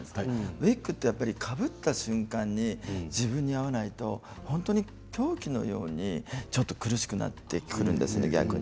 ウィッグって、かぶった瞬間に自分に合わないと本当に凶器のように苦しくなってくるんです。